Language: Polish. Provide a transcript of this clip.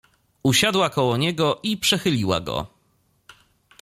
Usiadła koło niego i przechyliła go.